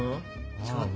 ちょっと。